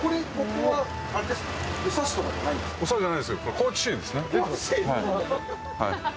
はい。